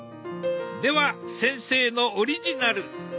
では先生のオリジナル。